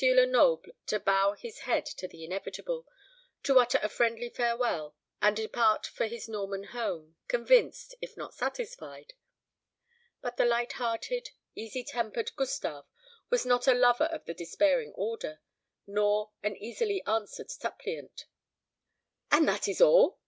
Lenoble to bow his head to the inevitable, to utter a friendly farewell, and depart for his Norman home, convinced, if not satisfied. But the light hearted, easy tempered Gustave was not a lover of the despairing order, nor an easily answered suppliant. "And that is all!"